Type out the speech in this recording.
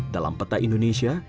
dalam peta indonesia